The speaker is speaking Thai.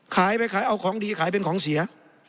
ขายไปขายเอาของดีขายเป็นของเสีย